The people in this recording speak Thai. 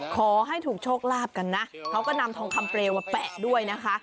ขอให้ถูกโชคลาภกันนะเขาก็นำทองคำเปลวมาแปะด้วยนะคะ